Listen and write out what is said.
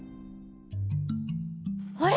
あれ？